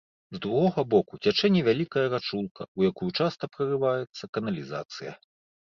З другога боку цячэ невялікая рачулка, у якую часта прарываецца каналізацыя.